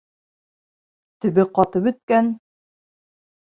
Төбө ҡатып бөткән.